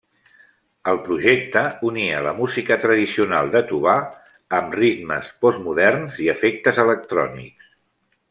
El projecte unia la música tradicional de Tuvà amb ritmes postmoderns i efectes electrònics.